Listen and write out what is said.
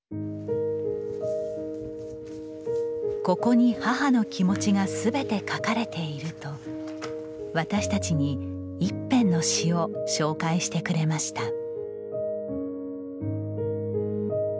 「ここに母の気持ちが全て書かれている」と私たちに一編の詩を紹介してくれました。